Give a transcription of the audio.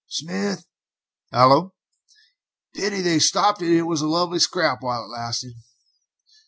"Smith." "Hallo." "Pity they stopped it; it was a lovely scrap while it lasted."